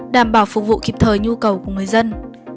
đảm bảo phục vụ kịp thời nhu cầu của người dân